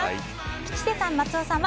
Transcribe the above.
吉瀬さん、松尾さんは